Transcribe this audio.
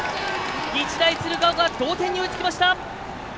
日大鶴ヶ丘同点に追いつきました！